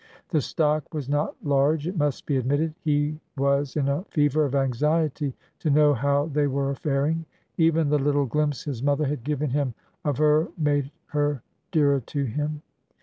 The stock was not large, it must be admitted. He was in a fever of anxiety to know how they were faring. Even the little glimpse his mother had given him of her made her dearer to him.